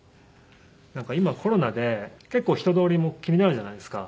なんか今コロナで結構人通りも気になるじゃないですか。